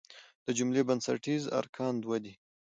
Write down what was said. د جملې بنسټیز ارکان دوه دي.